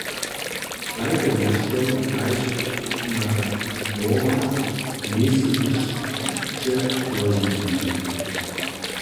Tajke něšto kaž na dworach njejsu hišće dožiwili.